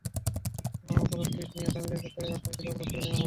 পরে পুলিশ গিয়ে আসামিদের গ্রেপ্তারের আশ্বাস দিলে অবরোধ তুলে নেওয়া হয়।